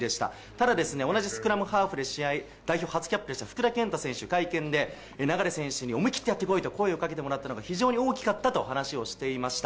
ただ、同じスクラムハーフで、代表初キャップのふくだけんと選手、会見で流選手に思い切ってやってこいと声をかけてもらったのが、非常に大きかったと話をしていました。